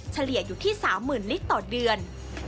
เฉลี่ยอยู่ที่๓๐๐๐ลิตรต่อเดือน